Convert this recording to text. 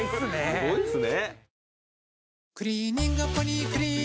すごいですね。